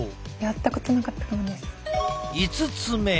５つ目。